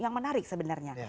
yang menarik sebenarnya